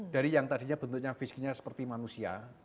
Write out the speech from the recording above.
dari yang tadinya bentuknya fisiknya seperti manusia